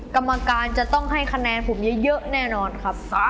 กรรมการจะต้องให้คะแนนกลุ่มนี้เยอะแน่นอนครับ